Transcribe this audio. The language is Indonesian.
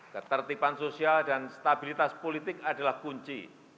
ketertiban sosial dan stabilitas politik adalah kunci